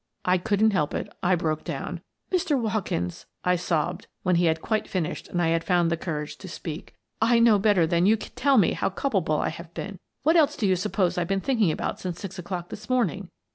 I couldn't help it : I broke down. " Mr. Watkins," I sobbed when he had quite finished and I had found the courage to speak, " I know better than you can tell me how culpable I have been. What else do you suppose I've been thinking about since six o'clock this morning?